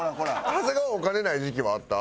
長谷川お金ない時期はあった？